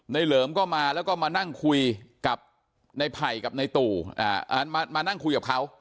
เหลิมก็มาแล้วก็มานั่งคุยกับในไผ่กับในตู่มานั่งคุยกับเขา